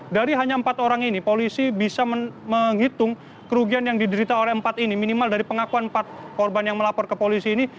dari hanya empat orang ini polisi bisa menghitung kerugian yang diderita oleh empat ini minimal dari pengakuan empat korban yang melapor ke polisi ini